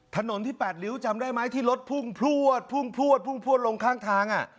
ถนนที่๘ริ้วจำได้ไหมที่รถพุ่งพลวดพุ่งพลวดพุ่งพลวดลงข้างทาง